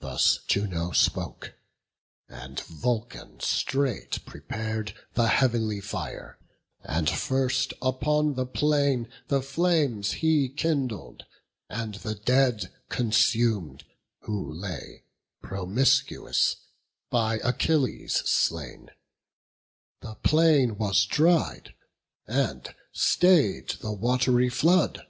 Thus Juno spoke; and Vulcan straight prepar'd The heav'nly fire; and first upon the plain The flames he kindled, and the dead consum'd, Who lay, promiscuous, by Achilles slain: The plain was dried, and stay'd the wat'ry flood.